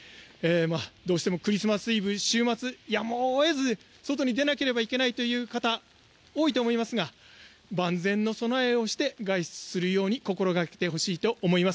どうしてもクリスマスイブ週末やむを得ず外に出なきゃいけないという方が多いと思いますが万全の備えをして外出するように心掛けてほしいと思います。